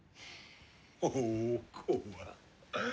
おお怖っ。